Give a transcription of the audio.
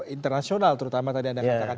internasional terutama tadi anda katakan